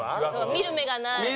「見る目がない」。